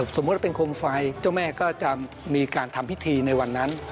สมมุติว่าเป็นโคมไฟเจ้าแม่ก็จะมีการทำพิธีในวันนั้น